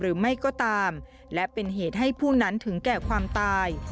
หรือไม่ก็ตามและเป็นเหตุให้ผู้นั้นถึงแก่ความตาย